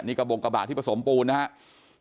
นี่กระบงกระบะที่ผสมปูนนะครับ